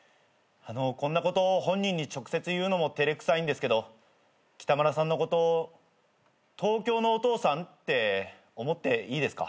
こんなこと本人に直接言うのも照れくさいんですけどキタムラさんのこと東京のお父さんって思っていいですか？